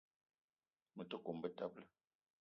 Me te kome betebela.